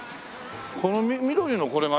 この緑のこれがいいね。